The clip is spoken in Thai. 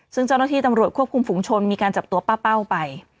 ซึ่งเจ้าหน้าที่ตำรวจควบคุมฝุงชนมีการจับตัวป้าเป้าไป